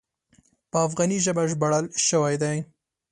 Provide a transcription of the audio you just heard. په افغاني ژبه ژباړل شوی دی.